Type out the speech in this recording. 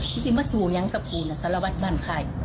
นี่มาสู่อย่างกับจริงแสลวัฒน์บ้านไข่